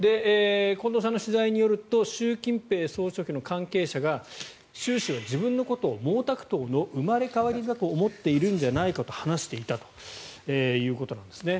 近藤さんの取材によると習近平総書記の関係者が習氏は自分のことを毛沢東の生まれ変わりだと思っているんじゃないかと話していたということなんですね。